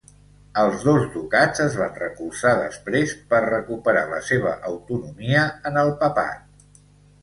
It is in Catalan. Els dos ducats es van recolzar després, per recuperar la seva autonomia, en el papat.